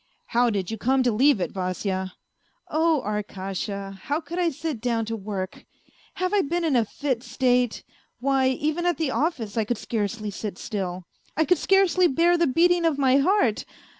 " How did you come to leave it, Vasya ?" "Oh, Arkasha 1 How could I sit down to work ! Have I been in a fit state ? Why, even at the office I could scarcely sit still, I could scarcely bear the beating of my heart.